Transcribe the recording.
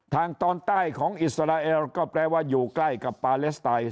ทางตอนใต้ของอิสราเอลก็แปลว่าอยู่ใกล้กับปาเลสไตน